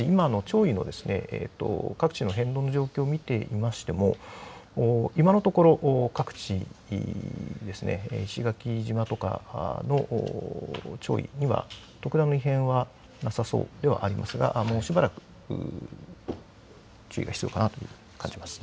今の潮位の各地の変動の状況を見てみましても今のところ各地、石垣島とかの潮位には特段の異変はなさそうではありますが、もうしばらく注意が必要かなと感じます。